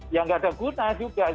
ya tidak ada gunanya juga